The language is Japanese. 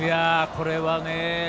これはね